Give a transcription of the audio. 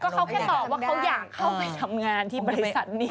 เขาแค่ตอบว่าเขาอยากเข้าไปทำงานที่บริษัทนี้